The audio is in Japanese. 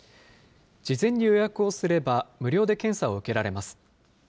事前に予約をすれば、無料で検査を受けられます。